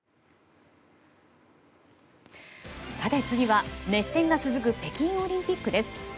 次は熱戦が続く北京オリンピックです。